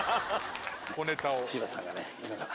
小ネタを。